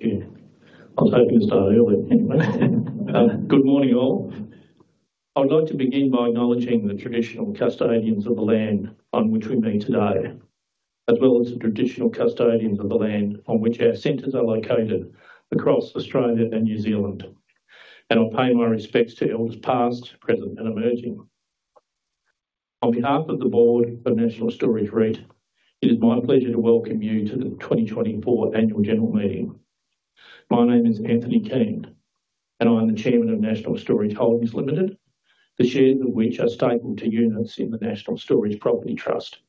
Thank you. I was hoping to start early anyway. Good morning, all. I'd like to begin by acknowledging the traditional custodians of the land on which we meet today, as well as the traditional custodians of the land on which our centers are located across Australia and New Zealand, and I pay my respects to elders past, present, and emerging. On behalf of the Board of National Storage REIT, it is my pleasure to welcome you to the 2024 Annual General Meeting. My name is Anthony Keane, and I'm the Chairman of National Storage Holdings Limited, the shares of which are stapled to units in the National Storage Property Trust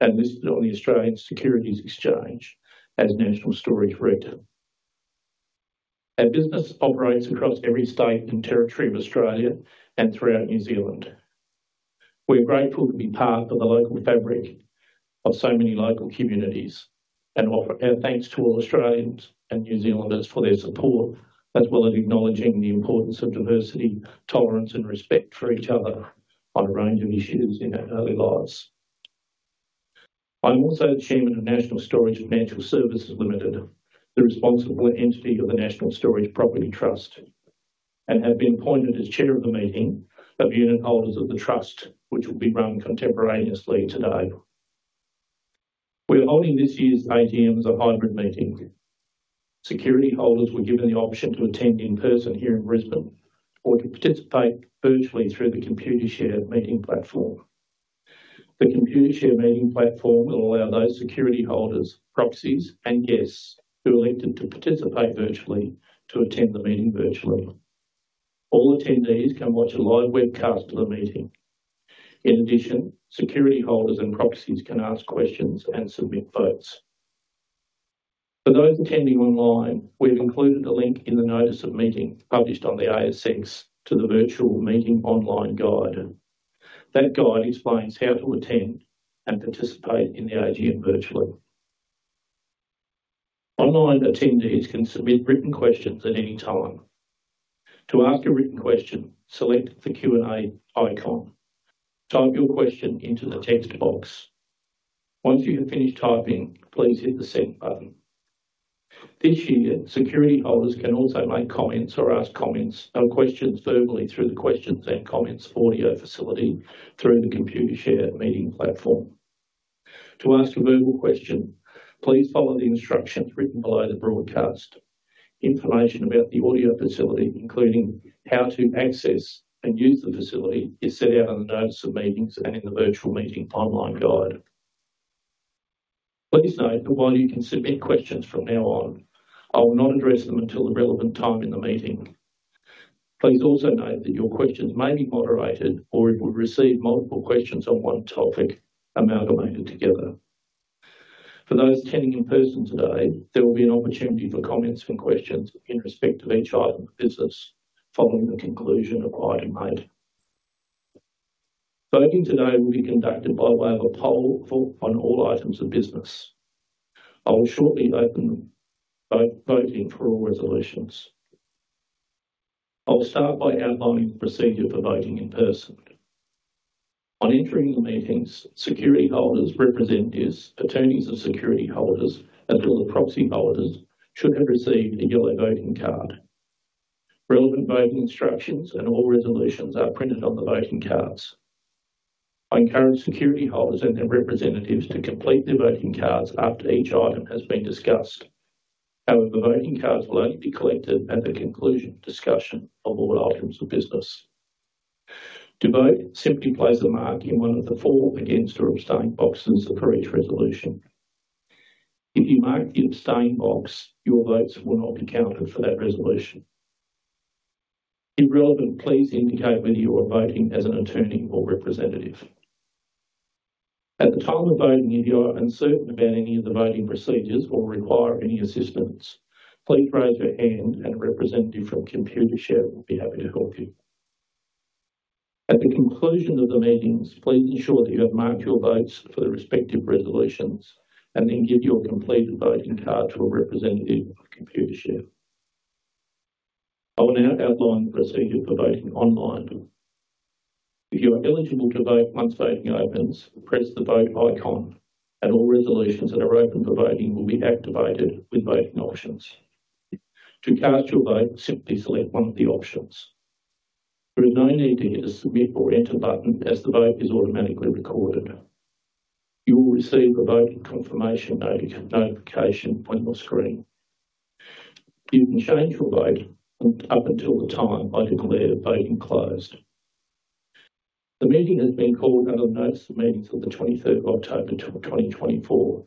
and listed on the Australian Securities Exchange as National Storage REIT. Our business operates across every state and territory of Australia and throughout New Zealand. We're grateful to be part of the local fabric of so many local communities and offer our thanks to all Australians and New Zealanders for their support, as well as acknowledging the importance of diversity, tolerance, and respect for each other on a range of issues in our daily lives. I'm also the Chairman of National Storage Financial Services Limited, the responsible entity of the National Storage Property Trust, and have been appointed as Chair of the meeting of unitholders of the Trust, which will be run contemporaneously today. We're holding this year's AGM as a hybrid meeting. Securityholders were given the option to attend in person here in Brisbane or to participate virtually through the Computershare meeting platform. The Computershare meeting platform will allow those securityholders, proxies, and guests who elected to participate virtually to attend the meeting virtually. All attendees can watch a live webcast of the meeting. In addition, securityholders and proxies can ask questions and submit votes. For those attending online, we've included a link in the notice of meeting, published on the ASX, to the virtual meeting online guide. That guide explains how to attend and participate in the AGM virtually. Online attendees can submit written questions at any time. To ask a written question, select the Q icon. Type your question into the text box. Once you have finished typing, please hit the Send button. This year, securityholders can also make comments or ask comments, questions verbally through the questions and comments audio facility through the Computershare meeting platform. To ask a verbal question, please follow the instructions written below the broadcast. Information about the audio facility, including how to access and use the facility, is set out on the notice of meetings and in the virtual meeting online guide. Please note that while you can submit questions from now on, I will not address them until the relevant time in the meeting. Please also note that your questions may be moderated, or if we receive multiple questions on one topic, amalgamated together. For those attending in person today, there will be an opportunity for comments and questions in respect to each item of business following the conclusion of item eight. Voting today will be conducted by way of a poll vote on all items of business. I will shortly open the voting for all resolutions. I will start by outlining the procedure for voting in person. On entering the meetings, securityholders, representatives, attorneys of securityholder, as well as proxy holders, should have received a yellow voting card. Relevant voting instructions and all resolutions are printed on the voting cards. I encourage securityholder and their representatives to complete their voting cards after each item has been discussed. However, the voting cards will only be collected at the conclusion discussion of all items of business. To vote, simply place a mark in one of the for, against, or abstain boxes for each resolution. If you mark the abstain box, your votes will not be counted for that resolution. If relevant, please indicate whether you are voting as an attorney or representative. At the time of voting, if you are uncertain about any of the voting procedures or require any assistance, please raise your hand, and a representative from Computershare will be happy to help you. At the conclusion of the meetings, please ensure that you have marked your votes for the respective resolutions and then give your completed voting card to a representative of Computershare. I will now outline the procedure for voting online. If you are eligible to vote, once voting opens, press the Vote icon, and all resolutions that are open for voting will be activated with voting options. To cast your vote, simply select one of the options. There is no need to hit a Submit or Enter button, as the vote is automatically recorded. You will receive a voting confirmation notification on your screen. You can change your vote up until the time I declare the voting closed. The meeting has been called under the notice of meetings of the 23 of October, 2024,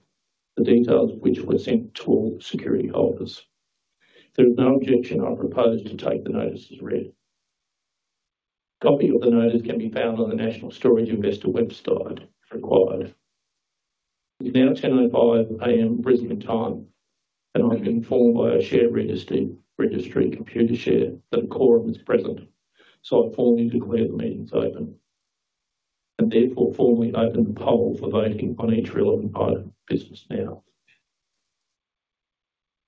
the details of which were sent to all securityholders. If there's no objection, I propose to take the notices read. A copy of the notice can be found on the National Storage Investor website if required. It is now 10:05 A.M. Brisbane time, and I've been informed by our share registry, Computershare, that a quorum is present, so I formally declare the meetings open and therefore formally open the poll for voting on each relevant item of business now.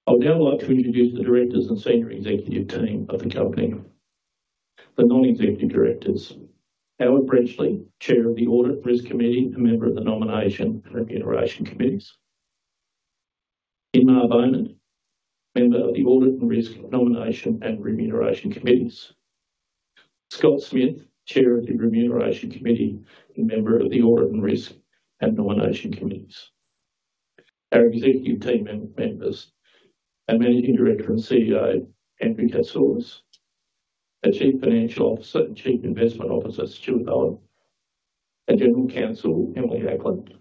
I would now like to introduce the directors and senior executive team of the company. The non-executive directors, Howard Brenchley, Chair of the Audit and Risk Committee, and member of the Nomination and Remuneration Committees. Inma Beaumont, member of the Audit and Risk, Nomination, and Remuneration Committees. Scott Smith, Chair of the Remuneration Committee, and member of the Audit and Risk and Nomination Committees. Our executive team members, our Managing Director and CEO, Andrew Catsoulis, our Chief Financial Officer and Chief Investment Officer, Stuart Owen, our General Counsel, Emily Ackland,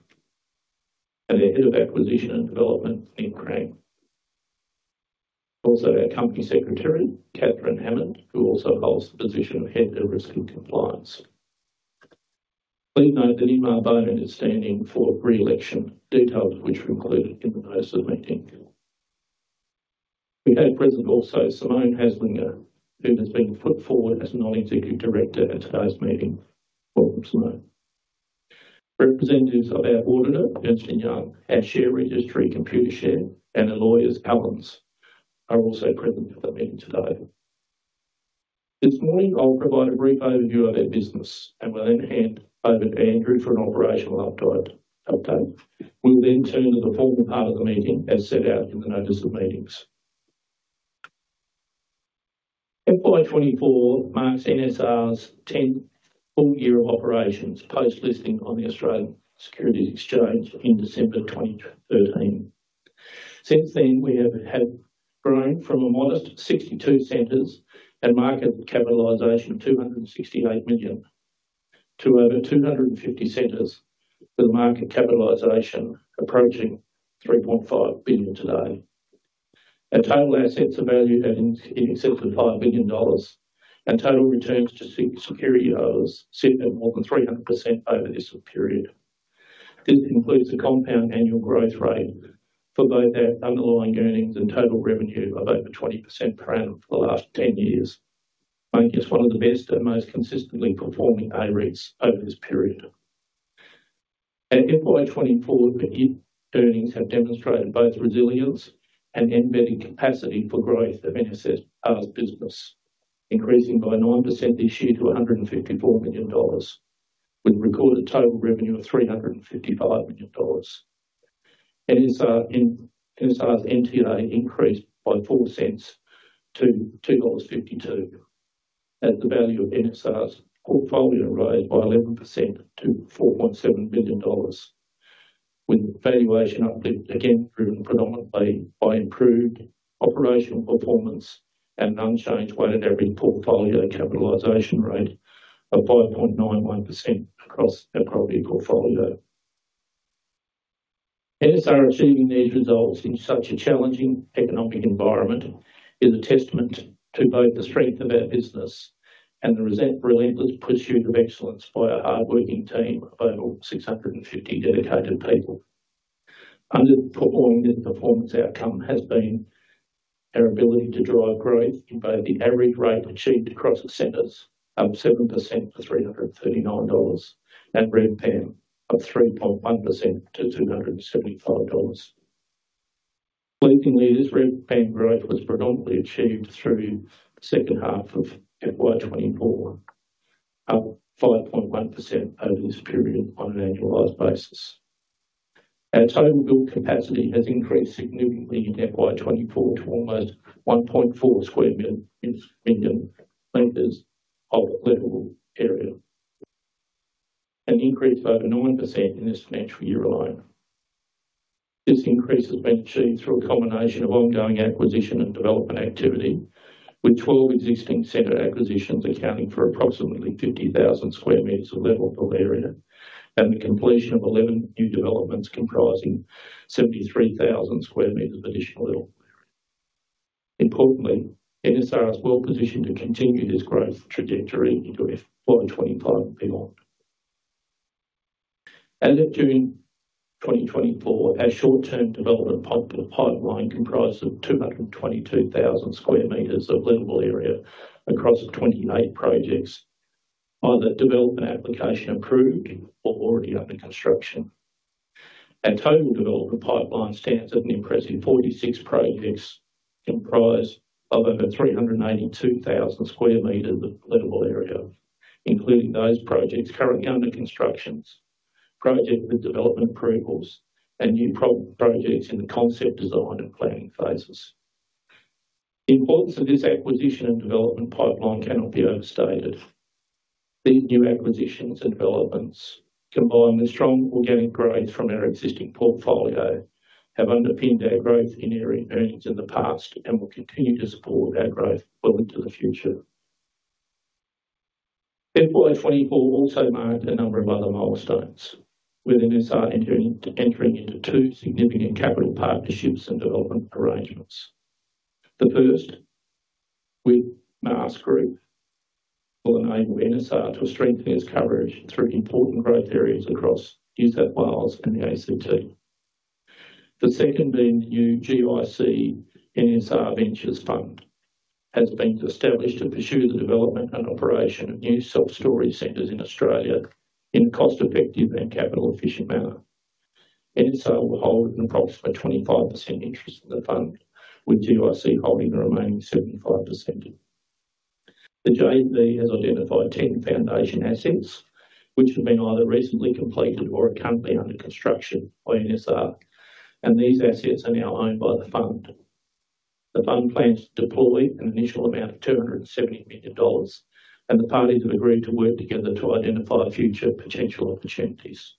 and our Head of Acquisition and Development, Nick Kranz. Also, our Company Secretary, Katherine Hammond, who also holds the position of Head of Risk and Compliance. Please note that Inma Beaumont is standing for re-election, details of which are included in the notice of meeting. We have present also, Simone Haslinger, who has been put forward as a non-executive director at today's meeting. Welcome, Simone. Representatives of our auditor, Ernst & Young, our share registry, Computershare, and our lawyers, Allens, are also present at the meeting today. This morning, I'll provide a brief overview of our business, and will then hand over to Andrew for an operational update. Okay. We'll then turn to the formal part of the meeting as set out in the notice of meetings. FY 2024 marks NSR's 10th full year of operations, post listing on the Australian Securities Exchange in December 2013. Since then, we have grown from a modest 62 centers and market capitalization of 268 million, to over 250 centers, with a market capitalization approaching 3.5 billion today. Our total assets are valued at in excess of 5 billion dollars, and total returns to securityholders sit at more than 300% over this period. This includes the compound annual growth rate for both our underlying earnings and total revenue of over 20% per annum for the last 10 years, making us one of the best and most consistently performing AREITs over this period. In FY 2024, earnings have demonstrated both resilience and embedded capacity for growth of NSR's business, increasing by 9% this year to 154 million dollars, with recorded total revenue of 355 million dollars. NSR's NTA increased by 4 cents to 2.52 dollars, as the value of NSR's portfolio rose by 11% to 4.7 billion dollars, with valuation uplift again driven predominantly by improved operational performance and an unchanged weighted average portfolio capitalization rate of 5.91% across our property portfolio. NSR achieving these results in such a challenging economic environment is a testament to both the strength of our business and the relentless pursuit of excellence by a hardworking team of over 650 dedicated people. Underpinning this performance outcome has been our ability to drive growth in both the average rate achieved across the centers, up 7% to AUD 339, and REVPAM of 3.1% to 275 dollars. Pleasingly, this REVPAM growth was predominantly achieved through the second half of FY 2024, up 5.1% over this period on an annualized basis. Our total build capacity has increased significantly in FY 2024 to almost 1.4 million m2 of lettable area, an increase of over 9% in this financial year alone. This increase has been achieved through a combination of ongoing acquisition and development activity, with 12 existing center acquisitions accounting for approximately 50,000m2 of lettable area, and the completion of 11 new developments comprising 73,000m2 of additional lettable area. Importantly, NSR is well positioned to continue this growth trajectory into FY 2025 and beyond. As at June 2024, our short-term development pipeline comprised of 222,000m2 of lettable area across 28 projects, either development application approved or already under construction. Our total development pipeline stands at an impressive 46 projects, comprised of over 382,000m2 of lettable area, including those projects currently under construction, projects with development approvals, and new projects in the concept, design, and planning phases. The importance of this acquisition and development pipeline cannot be overstated. These new acquisitions and developments, combined with strong organic growth from our existing portfolio, have underpinned our growth in earnings in the past and will continue to support our growth well into the future. FY 2024 also marked a number of other milestones, with NSR entering into two significant capital partnerships and development arrangements. The first, with Maas Group, will enable NSR to strengthen its coverage through important growth areas across New South Wales and the ACT. The second being the new GIC NSR Ventures fund, has been established to pursue the development and operation of new self-storage centers in Australia in a cost-effective and capital-efficient manner.... NSR will hold an approximately 25% interest in the fund, with GIC holding the remaining 75%. The JV has identified 10 foundation assets, which have been either recently completed or are currently under construction by NSR, and these assets are now owned by the fund. The fund plans to deploy an initial amount of 270 million dollars, and the parties have agreed to work together to identify future potential opportunities.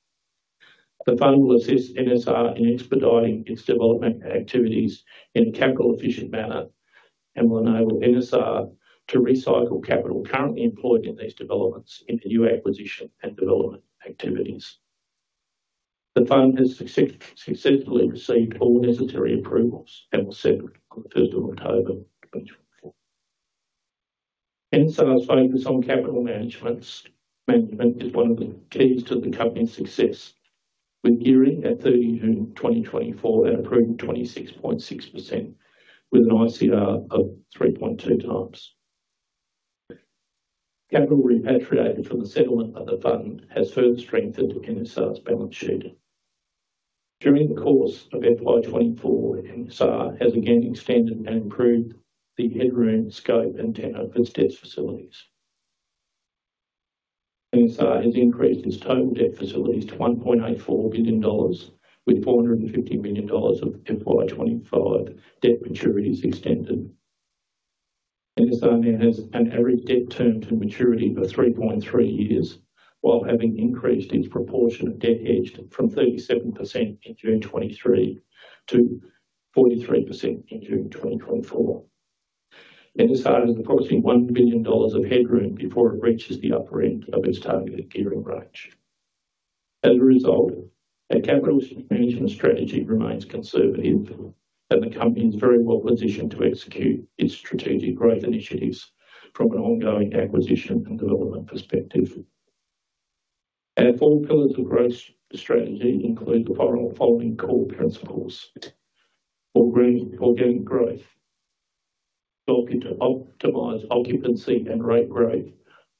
The fund will assist NSR in expediting its development activities in a capital-efficient manner and will enable NSR to recycle capital currently employed in these developments into new acquisition and development activities. The fund has successfully received all necessary approvals and was settled on the 1 of October 2024. NSR's focus on capital management is one of the keys to the company's success, with gearing at 30 June 2024 at improved 26.6%, with an ICR of 3.2x. Capital repatriated from the settlement of the fund has further strengthened NSR's balance sheet. During the course of FY 2024, NSR has again extended and improved the headroom, scope, and depth of its debt facilities. NSR has increased its total debt facilities to 1.84 billion dollars, with 450 million dollars of FY 2025 debt maturities extended. NSR now has an average debt term to maturity of 3.3 years, while having increased its proportion of debt hedged from 37% in June 2023 to 43% in June 2024. NSR has approximately 1 billion dollars of headroom before it reaches the upper end of its targeted gearing range. As a result, our capital management strategy remains conservative, and the company is very well positioned to execute its strategic growth initiatives from an ongoing acquisition and development perspective. Our four pillars of growth strategy include the following core principles: organic, organic growth, looking to optimize occupancy and rate growth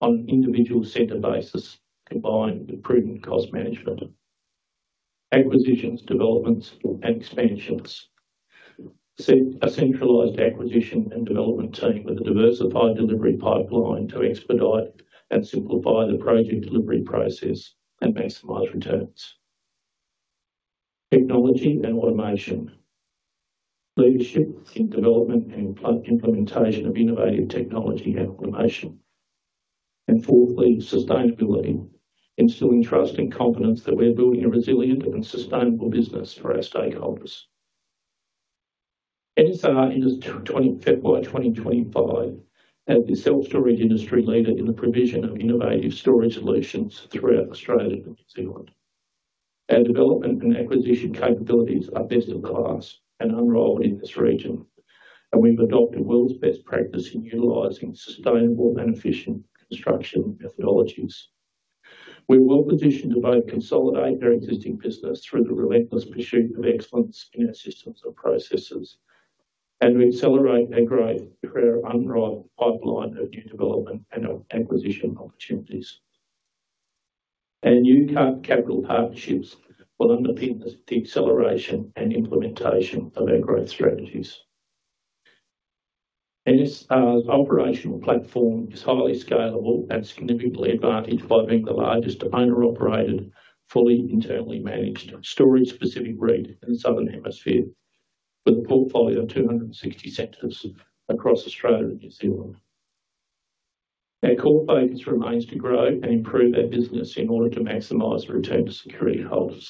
on an individual center basis, combined with prudent cost management. Acquisitions, developments, and expansions. Set a centralized acquisition and development team with a diversified delivery pipeline to expedite and simplify the project delivery process and maximize returns. Technology and automation. Leadership in development and implementation of innovative technology and automation. Fourthly, sustainability, instilling trust and confidence that we're building a resilient and sustainable business for our stakeholders. NSR enters February 2025 as the self-storage industry leader in the provision of innovative storage solutions throughout Australia and New Zealand. Our development and acquisition capabilities are best in class and unrivaled in this region, and we've adopted world's best practice in utilizing sustainable and efficient construction methodologies. We're well positioned to both consolidate our existing business through the relentless pursuit of excellence in our systems and processes, and to accelerate our growth through our unrivaled pipeline of new development and acquisition opportunities. Our new capital partnerships will underpin the acceleration and implementation of our growth strategies. NSR's operational platform is highly scalable and significantly advantaged by being the largest owner-operated, fully internally managed, storage-specific REIT in the Southern Hemisphere, with a portfolio of 260 centers across Australia and New Zealand. Our core focus remains to grow and improve our business in order to maximize return to securityholders.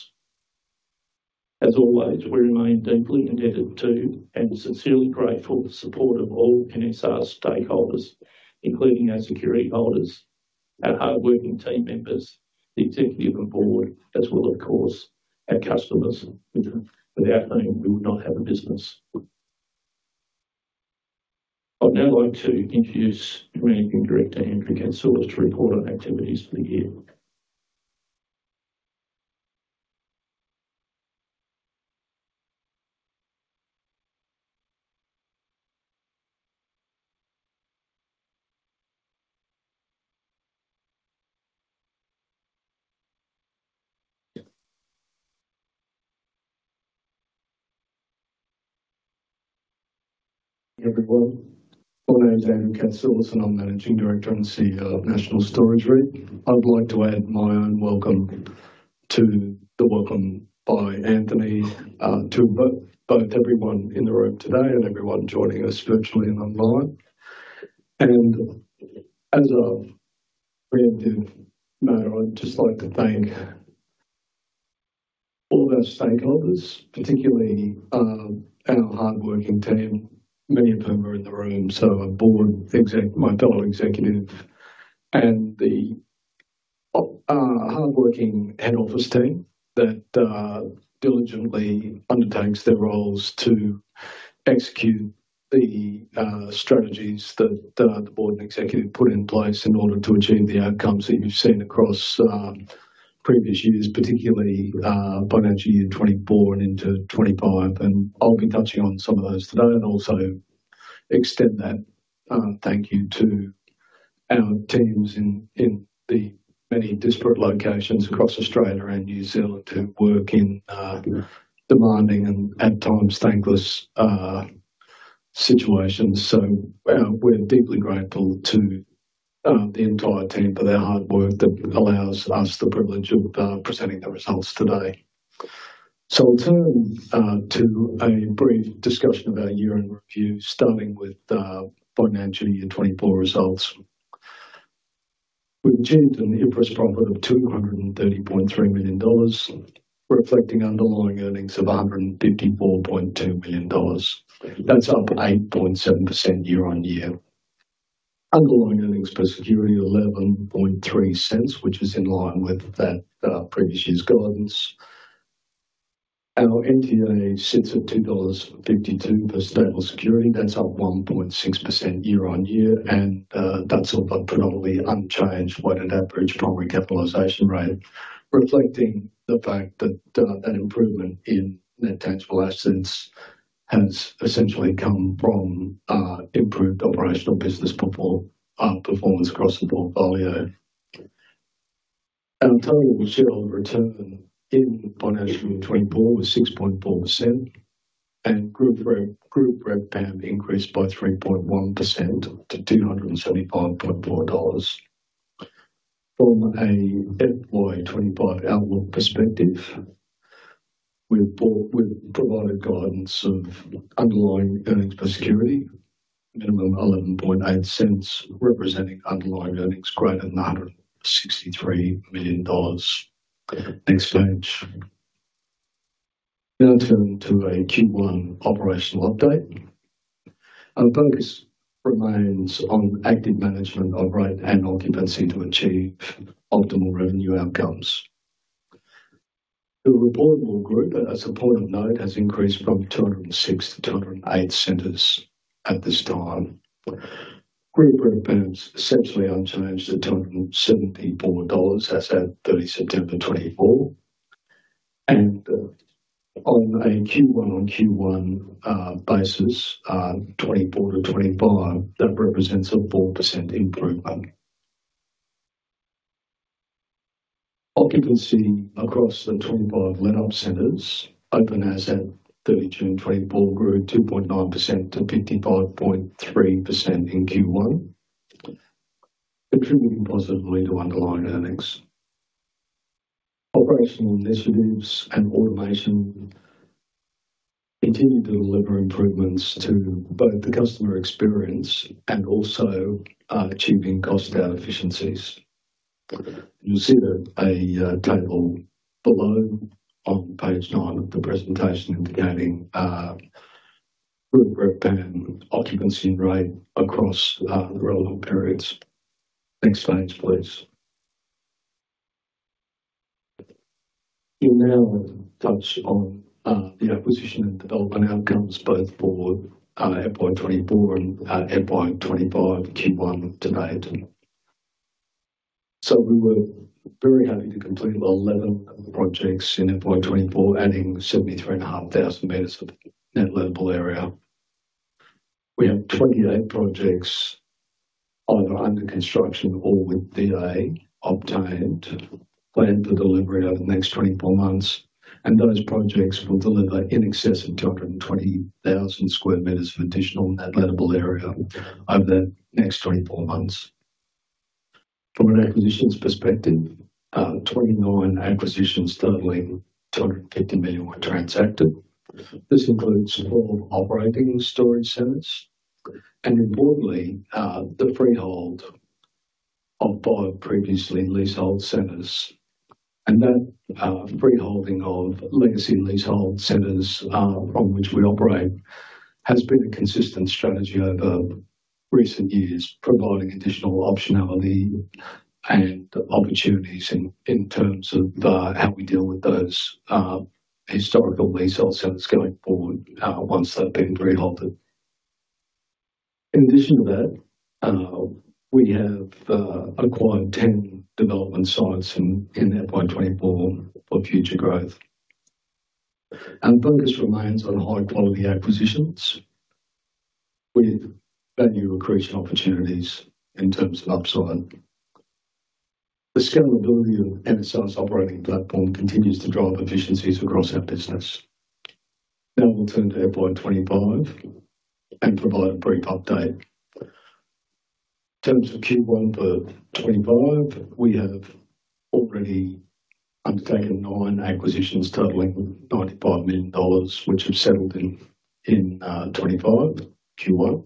As always, we remain deeply indebted to and sincerely grateful for the support of all NSR stakeholders, including our securityholders, our hardworking team members, the executive and board, as well as, of course, our customers. Without them, we would not have a business. I'd now like to introduce Managing Director, Andrew Catsoulis, to report on activities for the year. Everyone, my name is Andrew Catsoulis, and I'm Managing Director and CEO of National Storage REIT. I'd like to add my own welcome to the welcome by Anthony to both everyone in the room today and everyone joining us virtually and online. And as a preemptive matter, I'd just like to thank all of our stakeholders, particularly our hardworking team, many of whom are in the room. So our board, exec, my fellow executive, and the hardworking head office team that diligently undertakes their roles to execute the strategies that the board and executive put in place in order to achieve the outcomes that you've seen across previous years, particularly financial year 2024 and into 2025. And I'll be touching on some of those today and also extend that thank you to-... Our teams in the many disparate locations across Australia and New Zealand, who work in demanding and at times thankless situations. We're deeply grateful to the entire team for their hard work that allows us the privilege of presenting the results today. I'll turn to a brief discussion of our year-end review, starting with the financial year 2024 results. We've achieved an interest profit of 230.3 million dollars, reflecting underlying earnings of 154.2 million dollars. That's up 8.7% year-on-year. Underlying earnings per security, 0.113, which is in line with that previous year's guidance. Our NTA sits at 2.52 dollars per stapled security. That's up 1.6% year-on-year, and, that's off a predominantly unchanged weighted average capitalization rate, reflecting the fact that, that improvement in net tangible assets has essentially come from, improved operational business performance across the portfolio. Our total shareholder return in financial year 2024 was 6.4%, and group REVPAM increased by 3.1% to 275.4 dollars. From a FY 2025 outlook perspective, we've provided guidance of underlying earnings per security, minimum 0.118, representing underlying earnings greater than 163 million dollars. Next page. Now turning to a Q1 operational update. Our focus remains on active management of rent and occupancy to achieve optimal revenue outcomes. The reportable group, as a point of note, has increased from 206 to 208 centers at this time. Group REVPAM is essentially unchanged at 274 dollars, as at 30 September 2024, and, on a Q1-on-Q1 basis, 2024 to 2025, that represents a 4% improvement. Occupancy across the 25 let up centers open as at 30 June 2024, grew 2.9% to 55.3% in Q1, contributing positively to underlying earnings. Operational initiatives and automation continue to deliver improvements to both the customer experience and also, achieving cost out efficiencies. You'll see that a table below on page 9 of the presentation indicating, group REVPAM and occupancy rate across, the relevant periods. Next page, please. We now touch on the acquisition and development outcomes both for FY 2024 and FY 2025 Q1 to date. So we were very happy to complete 11 projects in FY 2024, adding 73,500 meters of net lettable area. We have 28 projects either under construction or with DA obtained, planned for delivery over the next 24 months, and those projects will deliver in excess of 220,000m2 of additional net lettable area over the next 24 months. From an acquisitions perspective, 29 acquisitions totaling 250 million were transacted. This includes four operating storage centers and importantly, the freehold of five previously leasehold centers. And that freeholding of legacy leasehold centers from which we operate has been a consistent strategy over recent years, providing additional optionality and opportunities in terms of how we deal with those historical leasehold centers going forward once they've been freehold. In addition to that, we have acquired ten development sites in FY 2024 for future growth. Our focus remains on high-quality acquisitions with value accretion opportunities in terms of upside. The scalability of NSR's operating platform continues to drive efficiencies across our business. Now we'll turn to FY 2025 and provide a brief update. In terms of Q1 for 2025, we have already undertaken nine acquisitions totaling 95 million dollars, which have settled in 2025 Q1.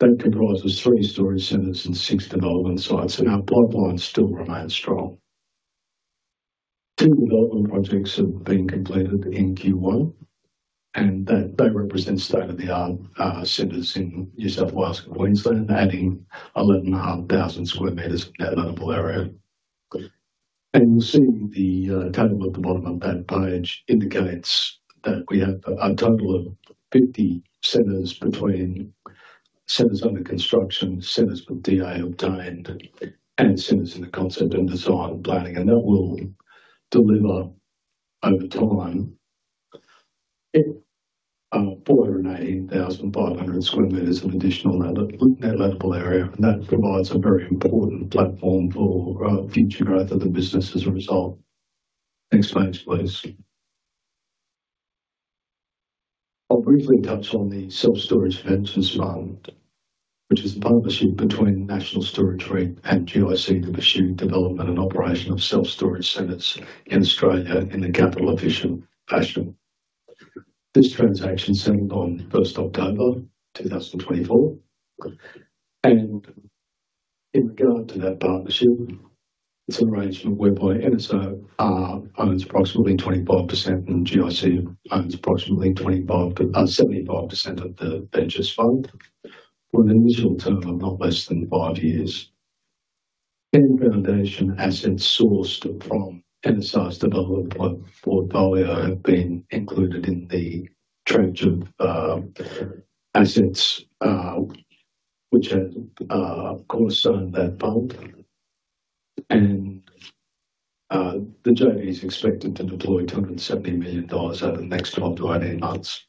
That comprises three storage centers and six development sites, and our pipeline still remains strong. Two development projects have been completed in Q1, and that they represent state-of-the-art centers in New South Wales and Queensland, adding 11,500m2 of net lettable area. And you'll see the table at the bottom of that page indicates that we have a total of 50 centers between centers under construction, centers with DA obtained, and centers in the concept and design planning, and that will deliver over time 418,500m2 of additional net lettable area, and that provides a very important platform for future growth of the business as a result. Next page, please. I'll briefly touch on the self-storage ventures model, which is a partnership between National Storage REIT and GIC to pursue development and operation of self-storage centers in Australia in a capital-efficient fashion. This transaction settled on 1 October 2024, and in regard to that partnership, it's an arrangement whereby NSR owns approximately 25%, and GIC owns approximately 75% of the Ventures fund for an initial term of not less than five years. Any foundation assets sourced from NSR's development portfolio have been included in the tranche of assets which have Cornerstone that fund. And the JV is expected to deploy 270 million dollars over the next 12-18 months.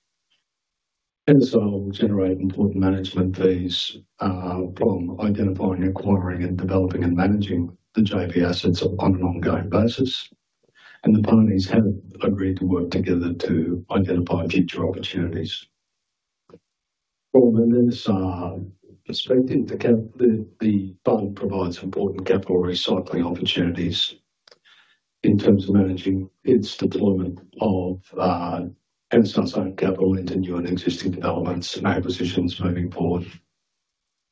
NSR will generate important management fees from identifying, acquiring, and developing and managing the JV assets on an ongoing basis, and the parties have agreed to work together to identify future opportunities. From an NSR perspective, the fund provides important capital recycling opportunities in terms of managing its deployment of NSR's own capital into new and existing developments and acquisitions moving forward.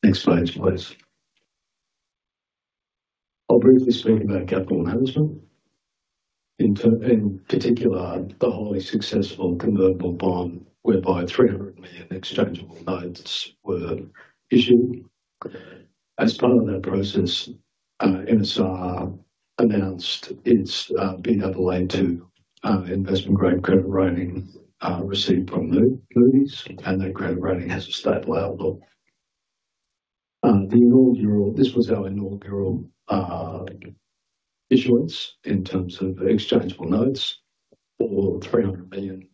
Next page, please. I'll briefly speak about capital management. In particular, the wholly successful convertible bond whereby three hundred million exchangeable notes were issued. As part of that process, NSR announced its Baa2 investment-grade credit rating received from Moody's, and that credit rating has a stable outlook. This was our inaugural issuance in terms of exchangeable notes for three hundred million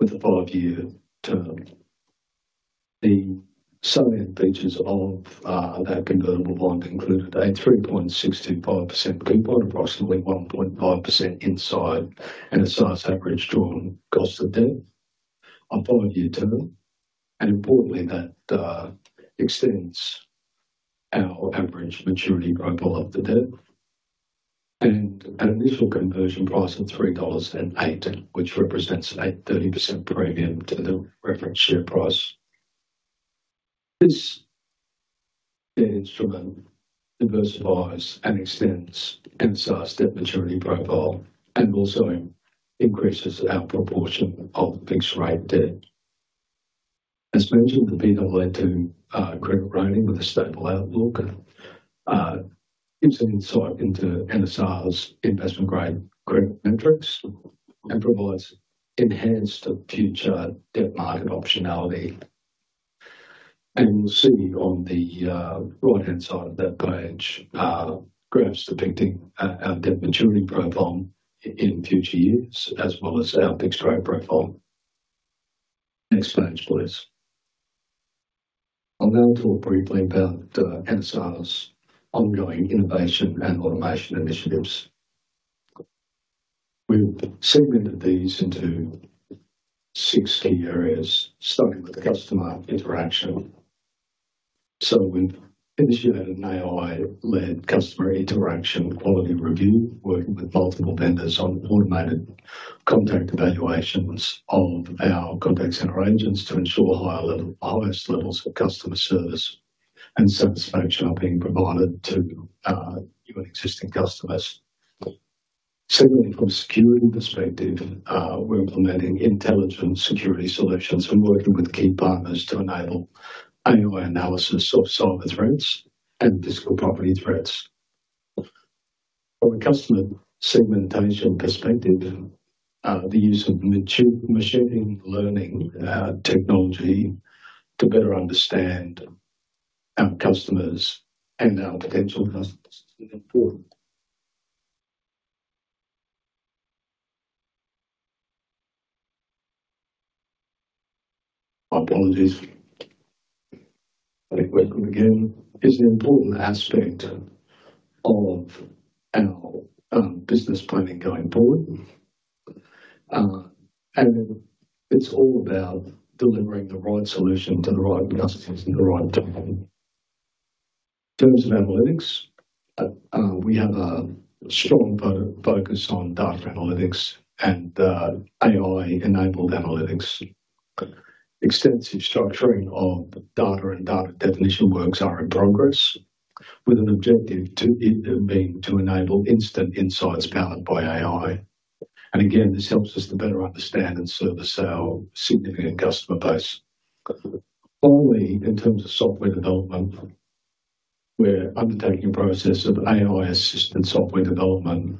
with a five-year term. The summary features of that convertible bond included a 3.625% coupon, approximately 1.5% inside, and it starts average drawn cost of debt on five-year term, and importantly, that extends our average maturity profile of the debt. An initial conversion price of 3.18 dollars, which represents a 30% premium to the reference share price. This instrument diversifies and extends NSR's debt maturity profile and also increases our proportion of fixed-rate debt. As mentioned, the Baa2 credit rating with a stable outlook gives an insight into NSR's investment-grade credit metrics and provides enhanced future debt market optionality. You'll see on the right-hand side of that page, graphs depicting our debt maturity profile in future years, as well as our fixed-rate profile. Next page, please. I'll now talk briefly about NSR's ongoing innovation and automation initiatives. We've segmented these into six key areas, starting with customer interaction. So we've initiated an AI-led customer interaction quality review, working with multiple vendors on automated contact evaluations of our contact center agents to ensure highest levels of customer service and satisfaction are being provided to new and existing customers. Secondly, from a security perspective, we're implementing intelligent security solutions and working with key partners to enable AI analysis of cyber threats and physical property threats. From a customer segmentation perspective, the use of machine learning technology to better understand our customers and our potential customers is important. My apologies. I think welcome again is an important aspect of our business planning going forward. And it's all about delivering the right solution to the right customers at the right time. In terms of analytics, we have a strong focus on data analytics and AI-enabled analytics. Extensive structuring of data and data definition works are in progress, with an objective to it being to enable instant insights powered by AI. And again, this helps us to better understand and service our significant customer base. Finally, in terms of software development, we're undertaking a process of AI-assisted software development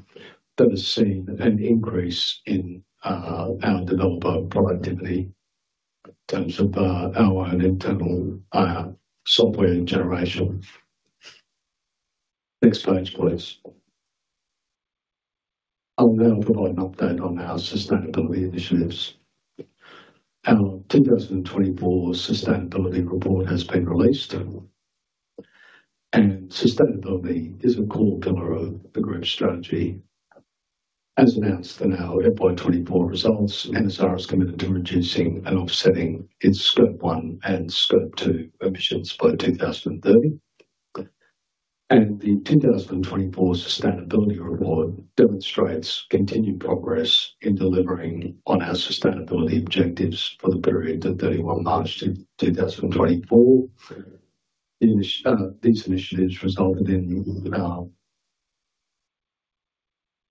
that has seen an increase in our developer productivity in terms of our own internal software generation. Next slide, please. I'll now provide an update on our sustainability initiatives. Our 2024 sustainability report has been released, and sustainability is a core pillar of the group's strategy. As announced in our FY 2024 results, NSR is committed to reducing and offsetting its scope one and scope two emissions by 2030. The 2024 sustainability report demonstrates continued progress in delivering on our sustainability objectives for the period to 31 March 2024. These initiatives resulted in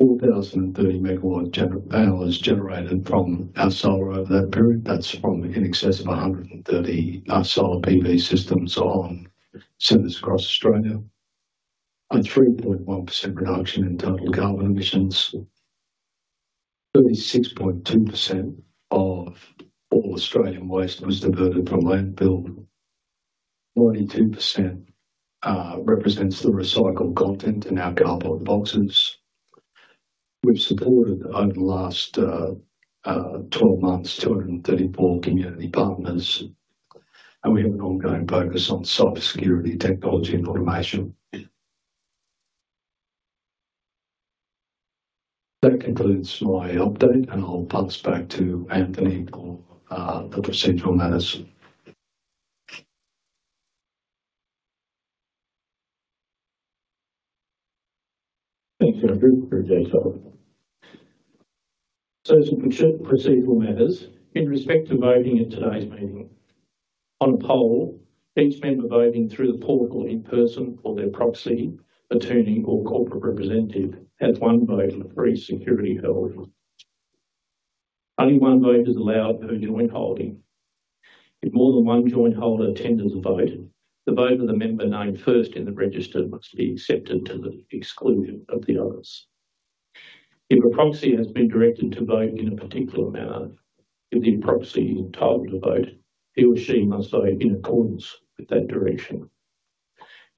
4,030 megawatts of power generated from our solar over that period. That's from in excess of 130 solar PV systems on centers across Australia. A 3.1% reduction in total carbon emissions. 36.2% of all Australian waste was diverted from landfill. 42% represents the recycled content in our cardboard boxes. We've supported over the last twelve months, two hundred and 34 community partners, and we have an ongoing focus on cybersecurity, technology, and automation. That concludes my update, and I'll pass back to Anthony for the procedural matters. Thanks, Andrew, for your detail. So for procedural matters in respect to voting in today's meeting. On poll, each member voting through the portal in person or their proxy, attorney, or corporate representative, has one vote for every security held. Only one vote is allowed per joint holding. If more than one joint holder attends the vote, the vote of the member named first in the register must be accepted to the exclusion of the others. If a proxy has been directed to vote in a particular manner, if the proxy is entitled to vote, he or she must vote in accordance with that direction.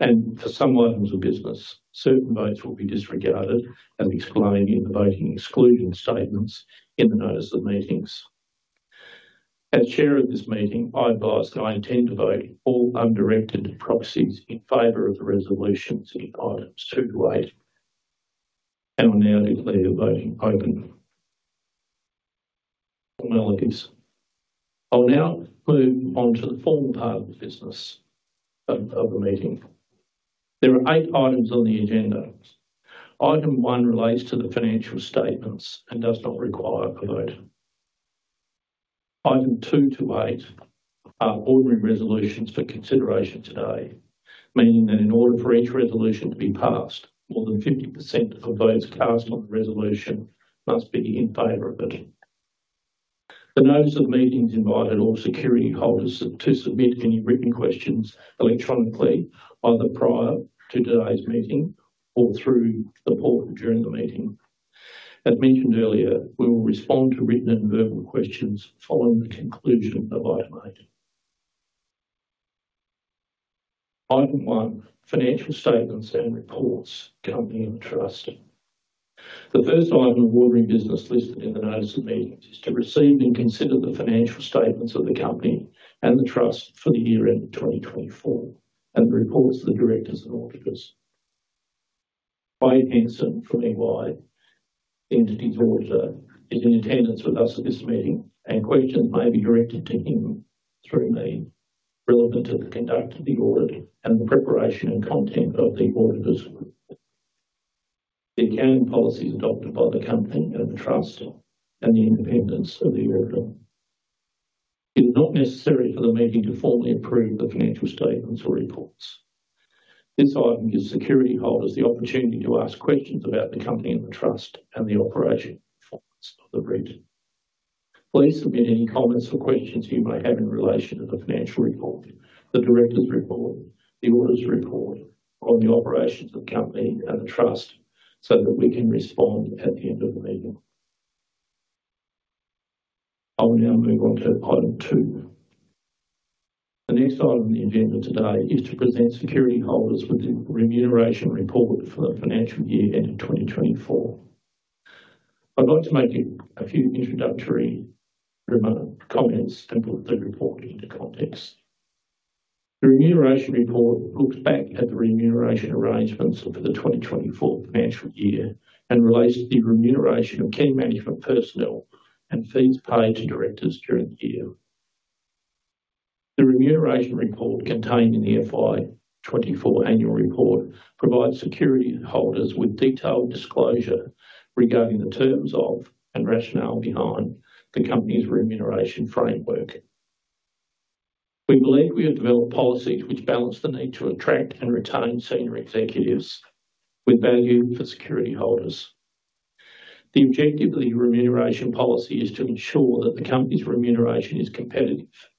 And for some items of business, certain votes will be disregarded, as explained in the voting exclusion statements in the notice of the meetings. As Chair of this meeting, I advise that I intend to vote all undirected proxies in favor of the resolutions in items two to eight, and will now declare the voting open. Formalities. I'll now move on to the formal part of the business of the meeting. There are eight items on the agenda. Item one relates to the financial statements and does not require a vote. Item two to eight are ordinary resolutions for consideration today, meaning that in order for each resolution to be passed, more than 50% of the votes cast on the resolution must be in favor of it. The notice of the meetings invited all securityholders to submit any written questions electronically, either prior to today's meeting or through the poll during the meeting. As mentioned earlier, we will respond to written and verbal questions following the conclusion of item eight. Item 1, financial statements and reports, company and trust. The first item of ordinary business listed in the notice of meeting is to receive and consider the financial statements of the company and the trust for the year ended 2024, and the reports of the directors and auditors. Wade Hansen from EY, the entity's auditor, is in attendance with us at this meeting, and questions may be directed to him through me relevant to the conduct of the audit and the preparation and content of the auditor's report. The accounting policies adopted by the company and the trust, and the independence of the auditor. It is not necessary for the meeting to formally approve the financial statements or reports. This item gives securityholders the opportunity to ask questions about the company and the trust and the operational performance of the REIT. Please submit any comments or questions you may have in relation to the financial report, the directors' report, the auditor's report on the operations of the company and the trust, so that we can respond at the end of the meeting. I'll now move on to item two. The next item on the agenda today is to present securityholder with the remuneration report for the financial year end of 2024. I'd like to make a few introductory remarks, comments, and put the report into context. The remuneration report looks back at the remuneration arrangements for the 2024 financial year and relates to the remuneration of key management personnel and fees paid to directors during the year. The remuneration report, contained in the FY 2024 annual report, provides securityholders with detailed disclosure regarding the terms of and rationale behind the company's remuneration framework. We believe we have developed policies which balance the need to attract and retain senior executives with value for securityholder. The objective of the remuneration policy is to ensure that the company's remuneration is competitive,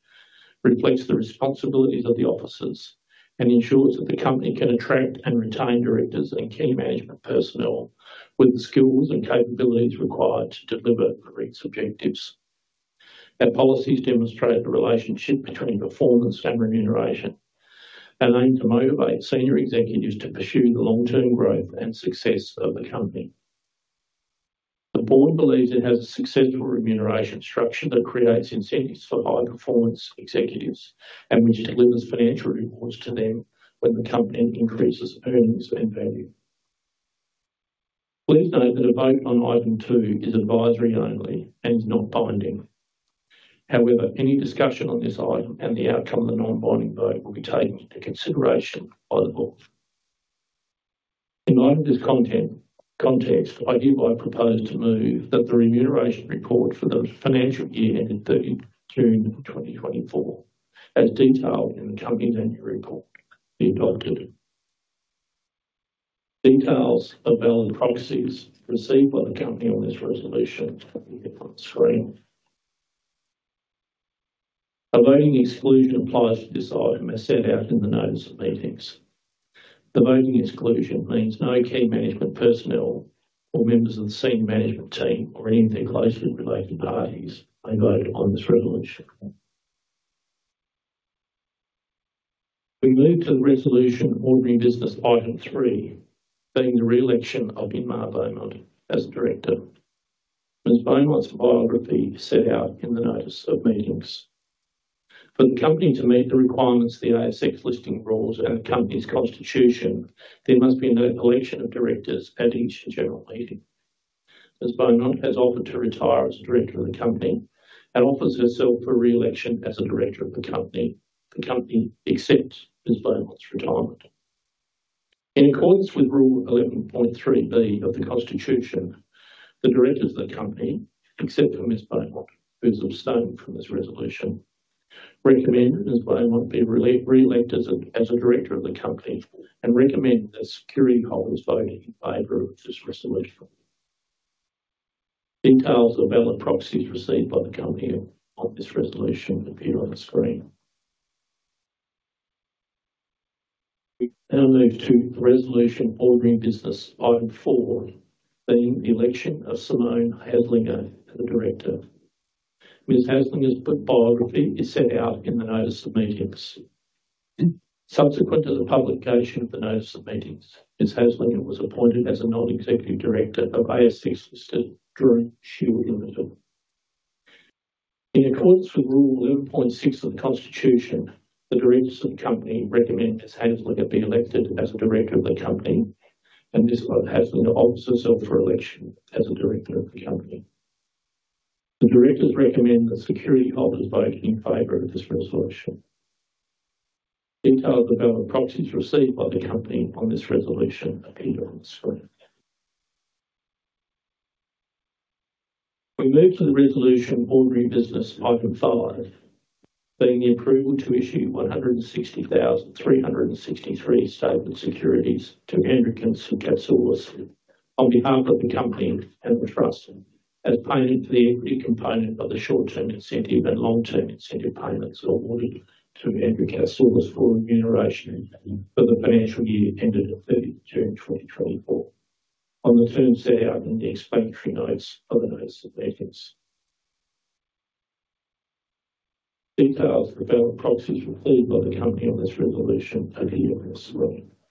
reflects the responsibilities of the officers, and ensures that the company can attract and retain directors and key management personnel with the skills and capabilities required to deliver the REIT's objectives. Our policies demonstrate the relationship between performance and remuneration, and aim to motivate senior executives to pursue the long-term growth and success of the company. The board believes it has a successful remuneration structure that creates incentives for high-performance executives, and which delivers financial rewards to them when the company increases earnings and value. Please note that a vote on item two is advisory only and not binding. However, any discussion on this item and the outcome of the non-binding vote will be taken into consideration by the board. In light of this content, context, I do, I propose to move that the remuneration report for the financial year ending 30 June, 2024, as detailed in the company's annual report, be adopted. Details of valid proxies received by the company on this resolution appear on the screen. A voting exclusion applies to this item as set out in the notice of meetings. The voting exclusion means no key management personnel or members of the senior management team, or any of their closely related parties, may vote on this resolution. We move to the resolution ordinary business item three, being the re-election of Inma Beaumont as director. Ms. Beaumont's biography is set out in the notice of meetings. For the company to meet the requirements of the ASX listing rules and the company's constitution, there must be no collection of directors at each general meeting. As Beaumont has offered to retire as a director of the company and offers herself for re-election as a director of the company, the company accepts Ms. Beaumont's retirement. In accordance with Rule 11.3 B of the Constitution, the directors of the company, except for Ms. Beaumont, who's abstained from this resolution, recommend Ms. Beaumont be re-elected as a director of the company and recommend that security holders vote in favor of this resolution. Details of valid proxies received by the company on this resolution appear on the screen. We now move to the resolution ordinary business item four, being the election of Simone Haslinger as a director. Ms. Haslinger's biography is set out in the notice of meetings. Subsequent to the publication of the notice of meetings, Ms. Haslinger was appointed as a non-executive director of ASX listed DroneShield Limited. In accordance with Rule eleven point six of the Constitution, the directors of the company recommend Ms. Haslinger be elected as a director of the company, and Ms. Haslinger offers herself for election as a director of the company. The directors recommend that securityholder vote in favor of this resolution. Details of the valid proxies received by the company on this resolution appear on the screen. We move to the resolution ordinary business item five, being the approval to issue 160,363 stapled securities to Andrew Catsoulis on behalf of the company and the trust, as payment for the equity component of the short-term incentive and long-term incentive payments awarded to Andrew Catsoulis for remuneration for the financial year ended on 30 June 2024, on the terms set out in the explanatory notes of the notice of meetings. Details of the valid proxies received by the company on this resolution appear on the screen. A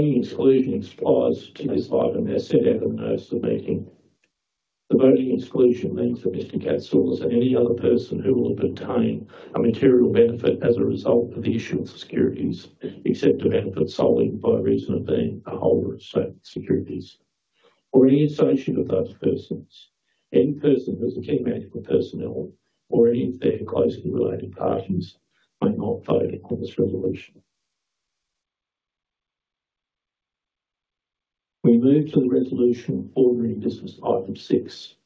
voting exclusion applies to this item as set out in the notice of meeting. The voting exclusion means that Mr. Catsoulis or any other person who will obtain a material benefit as a result of the issue of securities, except a benefit solely by reason of being a holder of certain securities or any associate of those persons, any person who is a key management personnel or any of their closely related parties may not vote on this resolution. We move to the resolution, ordinary business item six,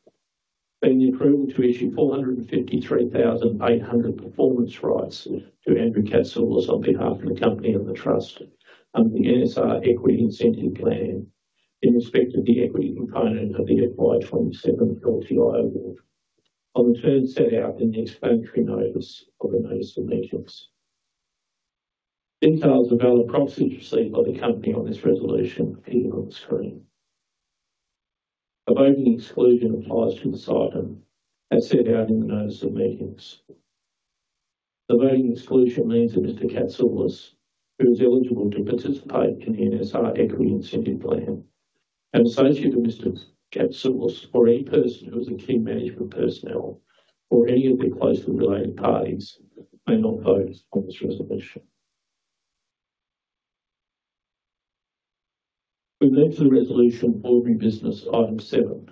being the approval to issue 453,800 performance rights to Andrew Catsoulis on behalf of the company and the trust under the NSR Equity Incentive Plan, in respect of the equity component of the applicable 27th LTI award, on the terms set out in the explanatory notice of the notice of meetings. Details of valid proxies received by the company on this resolution appear on the screen. A voting exclusion applies to this item, as set out in the notice of meetings. The voting exclusion means that Mr. Catsoulis, who is eligible to participate in the NSR Equity Incentive Plan, an associate of Mr. Catsoulis, or any person who is a key management personnel or any of their closely related parties, may not vote on this resolution. We move to the resolution ordinary business item seven,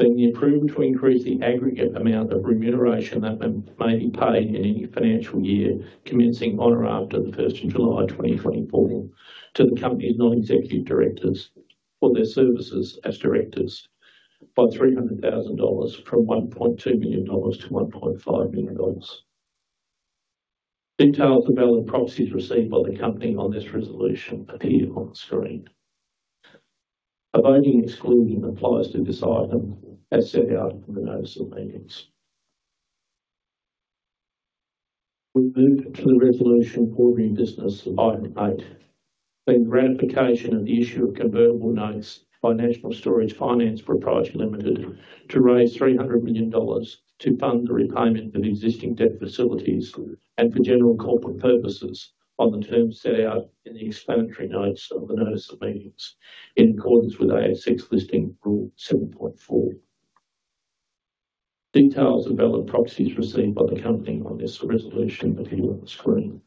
being the approval to increase the aggregate amount of remuneration that may be paid in any financial year, commencing on or after the 1 July, 2024, to the company's non-executive directors for their services as directors by 300,000 dollars from 1.2 million dollars to 1.5 million dollars. Details of valid proxies received by the company on this resolution appear on the screen. A voting exclusion applies to this item, as set out in the notice of meetings. We'll move to the resolution ordinary business item 8, the ratification of the issue of convertible notes by National Storage Financial Services Limited, to raise 300 million dollars to fund the repayment of existing debt facilities and for general corporate purposes on the terms set out in the explanatory notes of the notice of meetings, in accordance with ASX Listing Rule 7.4. Details of valid proxies received by the company on this resolution appear on the screen.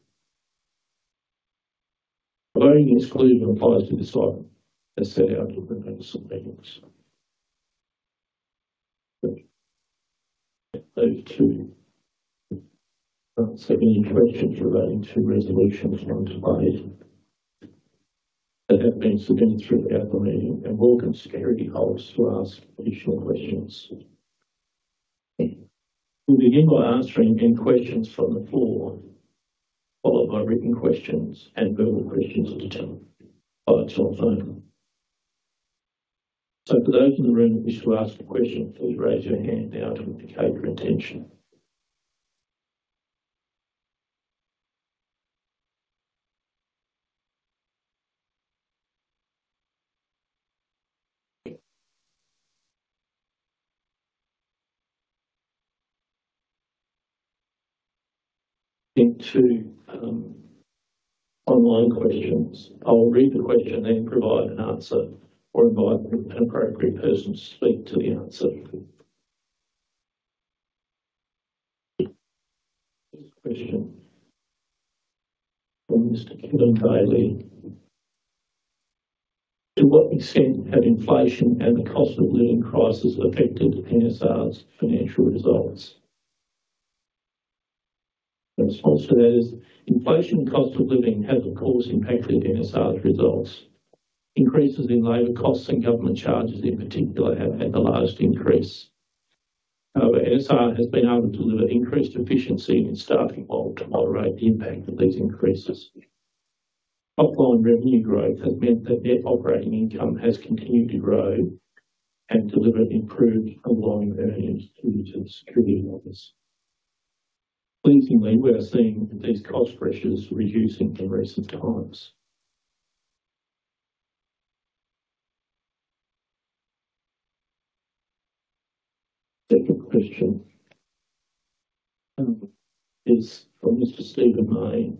Voting exclusion applies to this item as set out in the notice of meetings. Thank you. Item 2, so any corrections relating to resolution item 5 that have been submitted throughout the meeting, and all shareholders to ask additional questions. We'll begin by answering any questions from the floor, followed by written questions and verbal questions to those by telephone. So for those in the room who wish to ask a question, please raise your hand now to indicate your intention. Now to online questions. I'll read the question then provide an answer or invite an appropriate person to speak to the answer. First question from Mr. Kevin Daly: To what extent have inflation and the cost of living crisis affected NSR's financial results? The response to that is, inflation cost of living has, of course, impacted NSR's results. Increases in labor costs and government charges, in particular, have had the largest increase. However, NSR has been able to deliver increased efficiency in staffing model to moderate the impact of these increases. Offline revenue growth has meant that their operating income has continued to grow and deliver improved underlying earnings to the securityholders. Pleasingly, we are seeing these cost pressures reducing in recent times. Second question is from Mr. Stephen Mayne.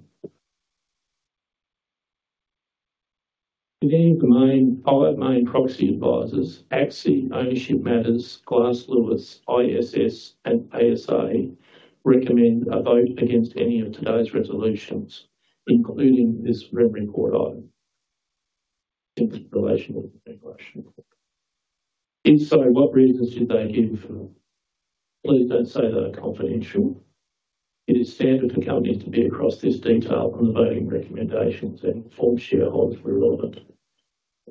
Do any of the main, five main proxy advisors, ACSI, Ownership Matters, Glass Lewis, ISS, and ASA, recommend a vote against any of today's resolutions, including this remuneration item in relation to inflation? If so, what reasons did they give them? Please don't say they are confidential. It is standard for companies to be across this detail from the voting recommendations and inform shareholders relevantly.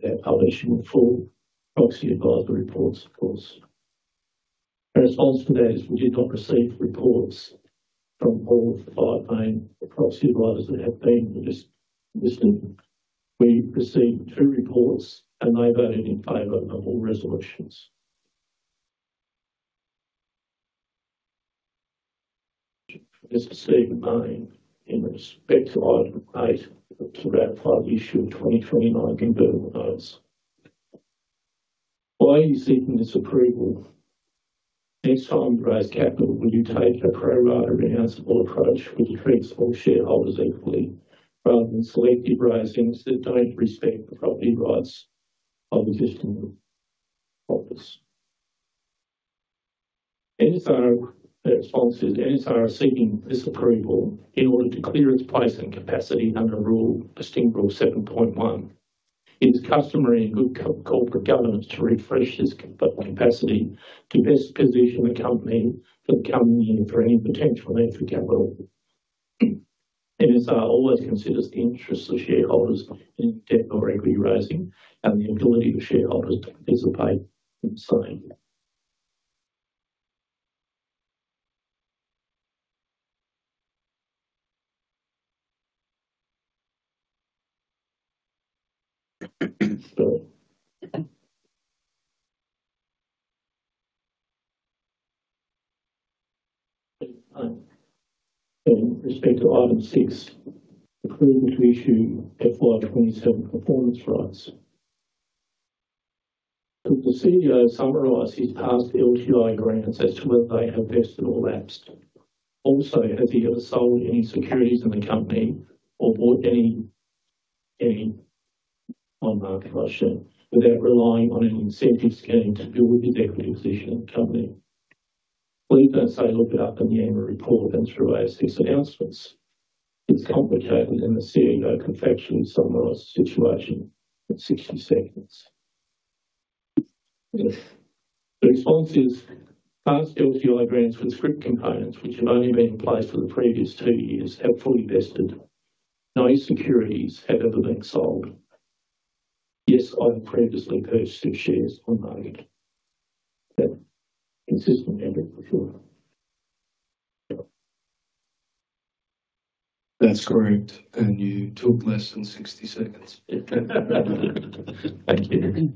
They're publishing full proxy advisory reports, of course. The response to that is, we did not receive reports from all of the five main proxy advisors that have been listed. We received two reports, and they voted in favor of all resolutions. Mr. Stephen May, in respect to item eight, to ratify the issue of 2029 convertible notes. Why are you seeking this approval? Next time to raise capital, will you take a pro rata reannouncement approach which affects all shareholders equally, rather than selective raisings that don't respect the property rights of existing owners? NSR response is, NSR are seeking this approval in order to clear its placement capacity under Listing Rule 7.1. It is customary in good corporate governance to refresh this capacity to best position the company for coming in for any potential need for capital. NSR always considers the interests of shareholders in debt or equity raising and the ability of shareholders to participate in signing. So, in respect to item six, approval to issue FY 2027 performance rights. Could the CEO summarize his past LTI grants as to whether they have vested or lapsed? Also, has he ever sold any securities in the company or bought any on-market, without relying on any incentive scheme to build his equity position in the company? Please don't say, "Look it up in the annual report and through ASX's announcements." It's complicated, and the CEO can actually summarize the situation in 60 seconds. The response is, past LTI grants with scrip components, which have only been in place for the previous two years, have fully vested. No securities have ever been sold. Yes, I've previously purchased shares on the market, but consistent with before. That's correct, and you took less than 60 seconds. Thank you.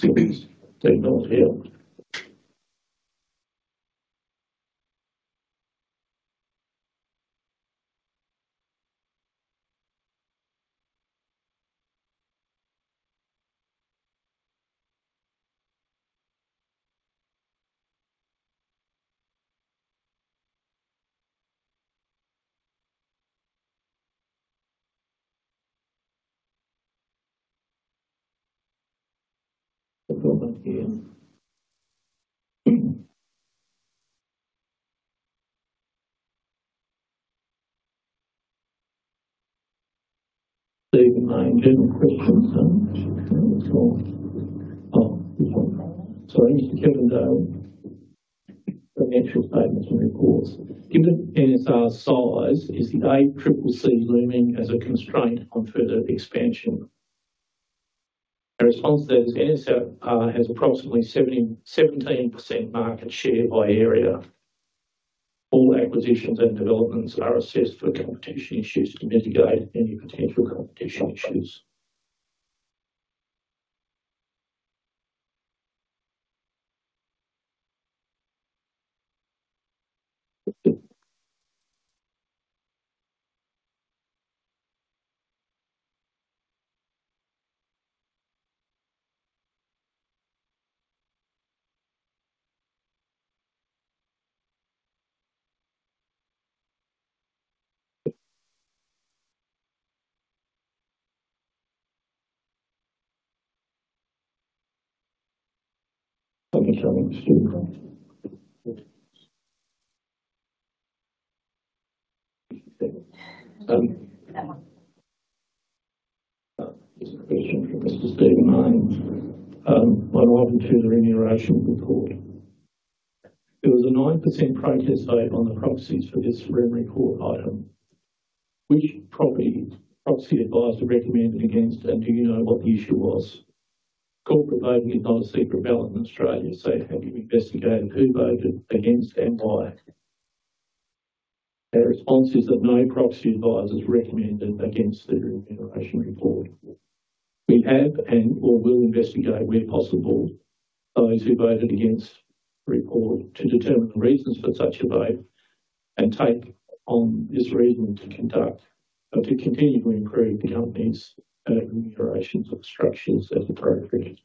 Please, they're not here. Go back here. Steve, general questions, then. Oh, this one. So Mr. Kevin Daly, financial statements and reports. Given NSR size, is the ACCC looming as a constraint on further expansion? Our response to that is NSR has approximately 77% market share by area. All acquisitions and developments are assessed for competition issues to mitigate any potential competition issues. Thank you, Sean. There's a question from Mr. Stephen May. On item two, the remuneration report. There was a 9% protest vote on the proxies for this remuneration report item. Which proxy advisor recommended against, and do you know what the issue was? Corporate voting is not a secret ballot in Australia, so have you investigated who voted against and why? Our response is that no proxy advisors recommended against the remuneration report. We have and/or will investigate, where possible, those who voted against the report to determine the reasons for such a vote and take on this reason to continually improve the company's remuneration structures as appropriate.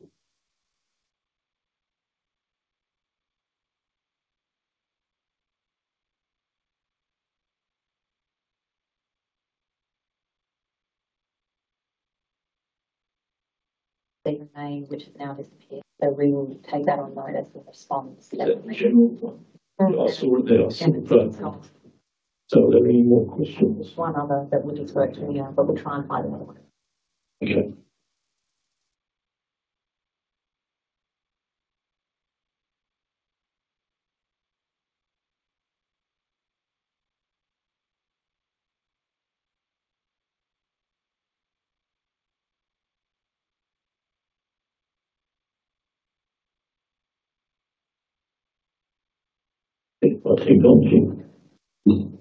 They remain, which has now disappeared. So we will take that on notice as the response. Is that the general one? I saw there are some, so are there any more questions? One other that we just worked on the. But we'll try and find another one. Okay. What's he doing? Hmm.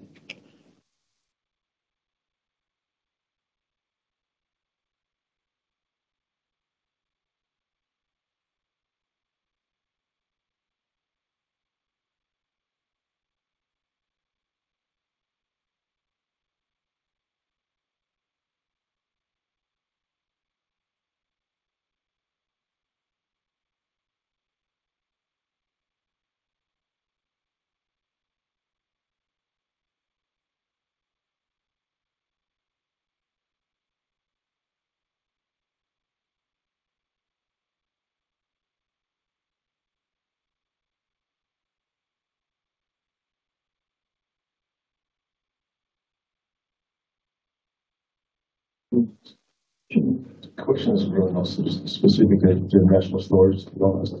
Questions for us, specifically to National Storage, as well as the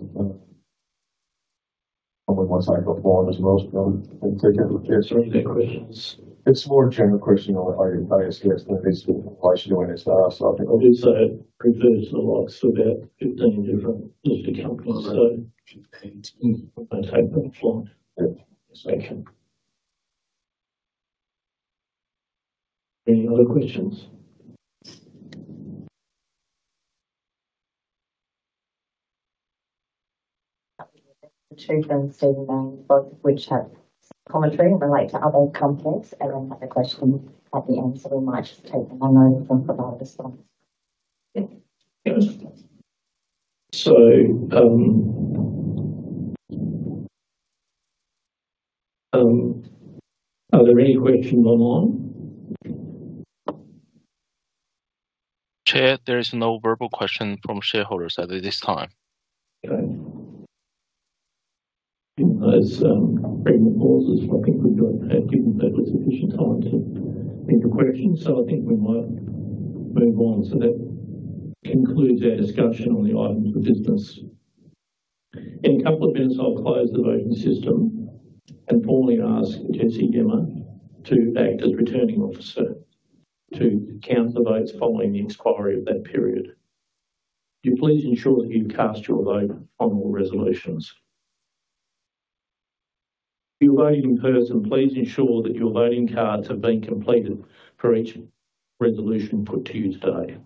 one I prepared is most known and taken with questions. It's more general question on how your ESG basically requires you any status subject. So it prefers a lot, so we have 15 different companies. So I take the floor. Thank you. Any other questions? The two from Stephen May, both of which have commentary and relate to other companies, and then have a question at the end, so we might just take them home from providing a response. Yeah. Yeah. So, are there any questions online? Chair, there is no verbal question from shareholders at this time. Okay. In those breaking pauses, I think that was sufficient time to take a question, so I think we might move on. So that concludes our discussion on the items of business. In a couple of minutes, I'll close the voting system and formally ask Jesse Gemma to act as Returning Officer to count the votes following the inquiry of that period. You please ensure that you cast your vote on all resolutions. If you're voting in person, please ensure that your voting cards have been completed for each resolution put to you today.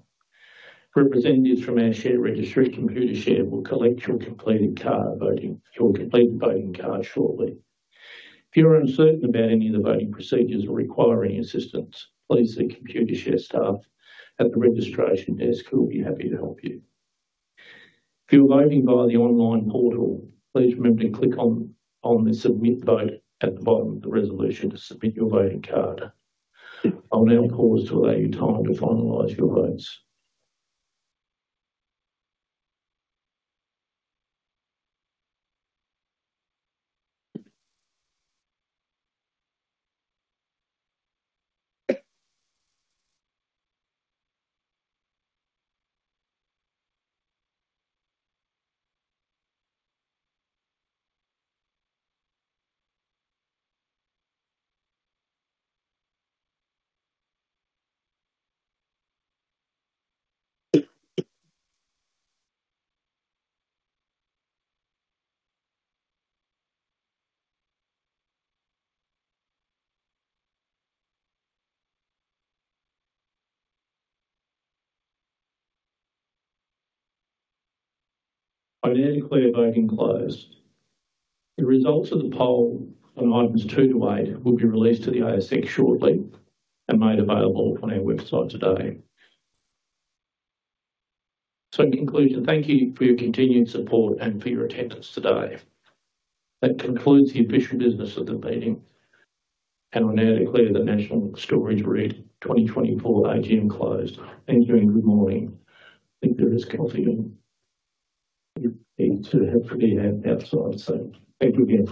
Representatives from our share registry, Computershare, will collect your completed voting card shortly. If you are uncertain about any of the voting procedures or require any assistance, please see Computershare staff at the registration desk, who will be happy to help you. If you are voting via the online portal, please remember to click on the Submit Vote at the bottom of the resolution to submit your voting card. I'll now pause to allow you time to finalize your votes. I now declare voting closed. The results of the poll on items two to eight will be released to the ASX shortly and made available on our website today. So in conclusion, thank you for your continued support and for your attendance today. That concludes the official business of the meeting, and I now declare the National Storage REIT 2024 AGM closed. Thank you, and good morning. I think there is coffee and eats, hopefully, outside. So thank you again.